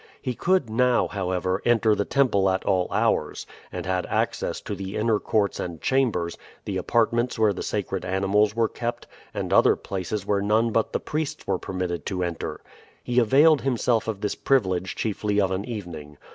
He could now, however, enter the temple at all hours, and had access to the inner courts and chambers, the apartments where the sacred animals were kept, and other places where none but the priests were permitted to enter. He availed himself of this privilege chiefly of an evening.